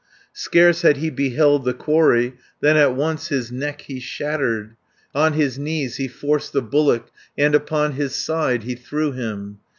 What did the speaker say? Scarce had he beheld the quarry, Than at once his neck he shattered, On his knees he forced the bullock, And upon his side he threw him.